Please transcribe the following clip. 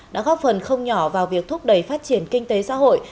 đã góp phần không nhỏ vào việc thúc đẩy phát triển kinh tế xã hội